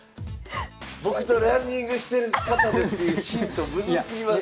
僕とランニングしてる方ですっていうヒントムズすぎます。